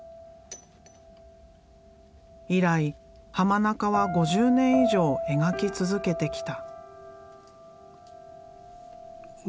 以来濱中は５０年以上描き続けてきた。